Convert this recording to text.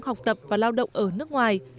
học tập và lao động ở nước ngoài